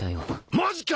マジか！